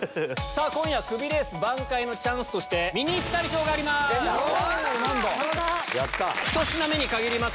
今夜はクビレース挽回のチャンスとしてミニピタリ賞があります。